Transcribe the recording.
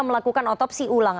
melakukan otopsi ulang